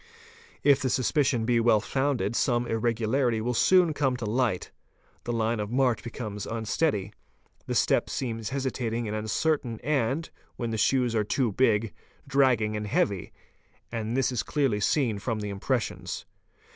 If the suspicion be well foun ded some irregularity will soon come to ight: the line of march becomes unsteady, the step seems hesitating and uncertain and, when the shoes are too big, dragging and heavy, and this is clearly seen from the impres sions.